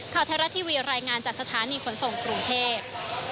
ข่าวไทยรัฐทีวีรายงานจากสถานีขนส่งกรุงเทพ